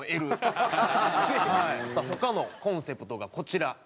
他のコンセプトがこちら。